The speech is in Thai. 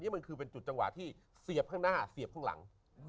นี่มันคือเป็นจุดจังหวะที่เสียบข้างหน้าเสียบข้างหลัง